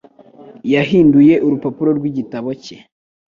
Yahinduye urupapuro rw'igitabo cye.